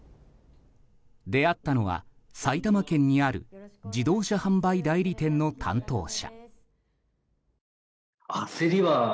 出会ったのは埼玉県にある自動車販売代理店の担当者。